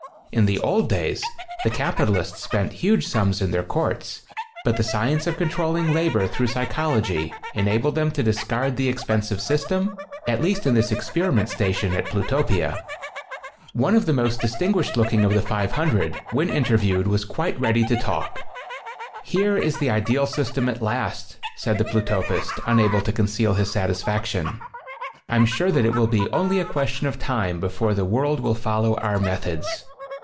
In the old days, the capitalists spent huge sums in their courts, but the science of controlling labor through psychol ogy enabled them to discard the ex pensive system, at least in this ex periment station at Plutopia. *>♦>■►> One of the most distinguished look ing of the 500, when inteviewed, was quite ready to talk. "Here is the ideal system at last," said the Plutopist, unable to conceal his satisfaction. "I'm sure that it will be only a question of time before the world will follow our methods.